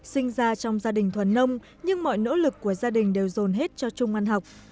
sinh ra trong gia đình thuần nông nhưng mọi nỗ lực của gia đình đều dồn hết cho trung ăn học